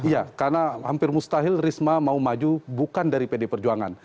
ya karena hampir mustahil risma mau maju bukan dari pd perjuangan